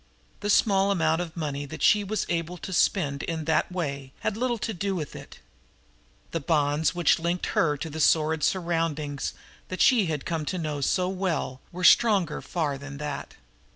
The small amount of money that she was able to spend in that way had little to do with it. The bonds which linked her to the sordid surroundings that she had come to know so well were stronger far than that.